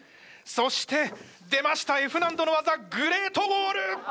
そして出ましたＦ難度の技グレートウォール！